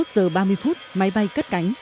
hai mươi một giờ ba mươi phút máy bay cất cánh